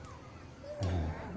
うん。